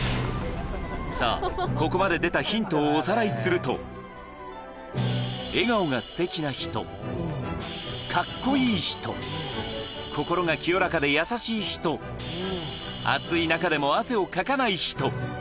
さあ、ここまで出たヒントをおさらいすると、笑顔がすてきな人、かっこいい人、心が清らかで優しい人、暑い中でも汗をかかない人。